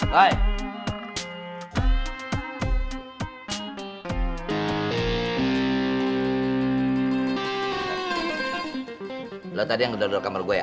lihat tadi yang gedor gedor kamar gue ya